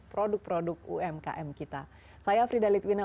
produk produk umkm kita saya frida litwina